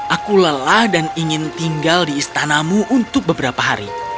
aku lelah dan ingin tinggal di istanamu untuk beberapa hari